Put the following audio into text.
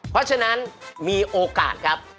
เพราะฉะนั้นมีโอกาสครับ